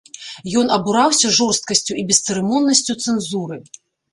Ён абураўся жорсткасцю і бесцырымоннасцю цэнзуры.